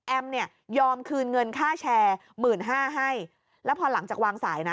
เนี่ยยอมคืนเงินค่าแชร์หมื่นห้าให้แล้วพอหลังจากวางสายนะ